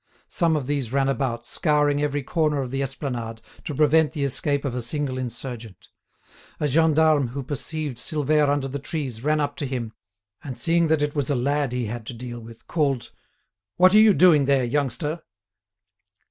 Some of these ran about, scouring every corner of the esplanade, to prevent the escape of a single insurgent. A gendarme who perceived Silvère under the trees, ran up to him, and seeing that it was a lad he had to deal with, called: "What are you doing there, youngster?"